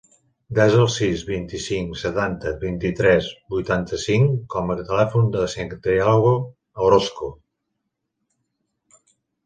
Desa el sis, vint-i-cinc, setanta, vint-i-tres, vuitanta-cinc com a telèfon del Santiago Orozco.